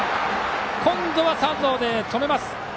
今度は三塁で止めます。